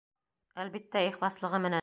Әлбиттә, ихласлығы менән!